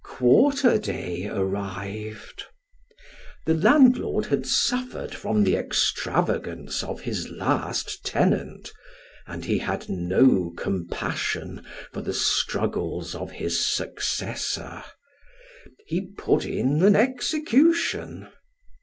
Quarter day arrived. The landlord had suffered from the extravagance of his last tenant, and he had no compassion for the struggles of his successor ; he put in an execution.